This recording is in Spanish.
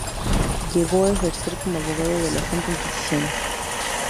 Llegó a ejercer como abogado de la Santa Inquisición.